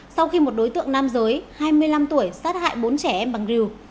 sau khi một đối tượng nam giới hai mươi năm tuổi sát hại bốn trẻ em bằng reu